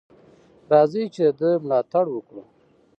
راځئ چې د ده ملاتړ وکړو.